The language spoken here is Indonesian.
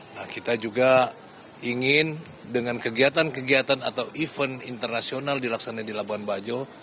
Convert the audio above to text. nah kita juga ingin dengan kegiatan kegiatan atau event internasional dilaksanakan di labuan bajo